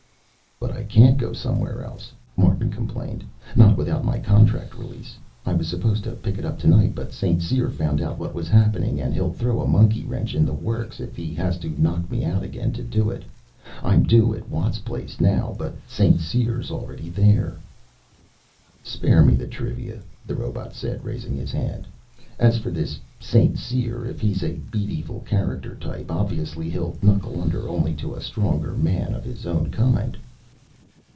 "But I can't go somewhere else," Martin complained. "Not without my contract release. I was supposed to pick it up tonight, but St. Cyr found out what was happening, and he'll throw a monkey wrench in the works if he has to knock me out again to do it. I'm due at Watt's place now, but St. Cyr's already there " "Spare me the trivia," the robot said, raising his hand. "As for this St. Cyr, if he's a medieval character type, obviously he'll knuckle under only to a stronger man of his own kind."